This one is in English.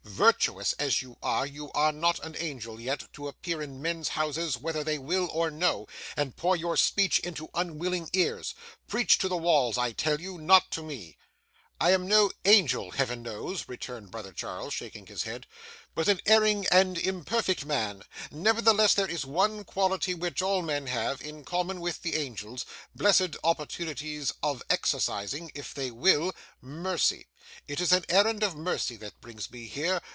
Virtuous as you are, you are not an angel yet, to appear in men's houses whether they will or no, and pour your speech into unwilling ears. Preach to the walls I tell you; not to me!' 'I am no angel, Heaven knows,' returned brother Charles, shaking his head, 'but an erring and imperfect man; nevertheless, there is one quality which all men have, in common with the angels, blessed opportunities of exercising, if they will; mercy. It is an errand of mercy that brings me here.